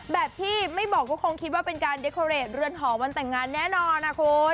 แบบที่ไม่บอกก็คงคิดว่าเป็นการเดโคเรทเรือนหอวันแต่งงานแน่นอนนะคุณ